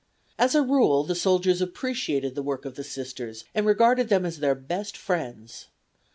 As a rule the soldiers appreciated the work of the Sisters, and regarded them as their best friends.